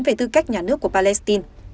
về tư cách nhà nước của palestine